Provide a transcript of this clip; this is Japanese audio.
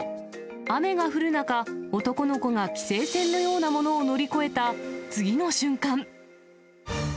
雨が降る中、男の子が規制線のようなものを乗り越えた次の瞬間。